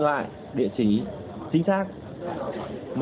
data khách hàng rất nhiều